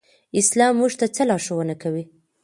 اسلام موږ ته څه لارښوونه کوي؟